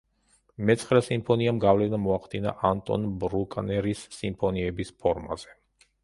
მეცხრე სიმფონიამ გავლენა მოახდინა ანტონ ბრუკნერის სიმფონიების ფორმაზე.